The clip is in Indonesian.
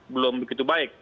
belum begitu baik